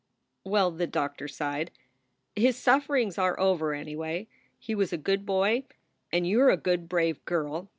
"Well," the doctor sighed, "his sufferings are over, any way. He was a good boy, and you re a good, brave girl.